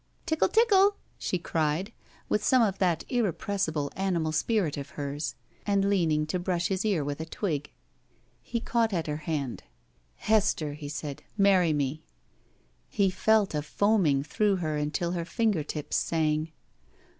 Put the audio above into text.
"Tickle tickle!*' she cried, with some of that irrepressible animal spirit of hers, and leaning to brush his ear with a twig. He caught at her hand. "Hester," he said, "marry me." She felt a foaming through her until her finger tips sang.